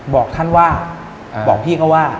บอกท่านว่าบอกพี่เขาว่า